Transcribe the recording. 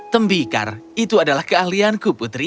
tembikar itu adalah keahlianku putri